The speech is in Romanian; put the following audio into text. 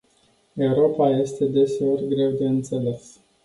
Europa este deseori greu de înțeles.